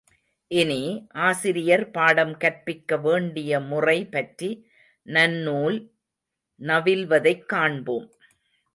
இனி, ஆசிரியர் பாடம் கற்பிக்க வேண்டிய முறை பற்றி நன்னூல் நவில்வதைக் காண்போம்.